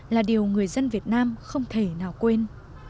là điều người dân việt nam không thể nào quên